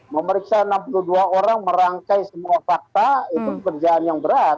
memeriksa enam puluh dua orang merangkai semua fakta itu pekerjaan yang berat